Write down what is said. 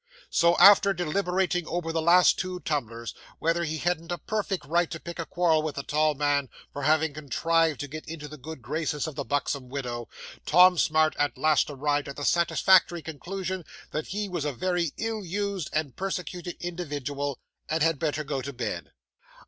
So, after deliberating over the two last tumblers, whether he hadn't a perfect right to pick a quarrel with the tall man for having contrived to get into the good graces of the buxom widow, Tom Smart at last arrived at the satisfactory conclusion that he was a very ill used and persecuted individual, and had better go to bed.